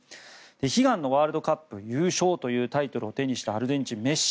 悲願のワールドカップ優勝というタイトルを手にしたアルゼンチン、メッシ。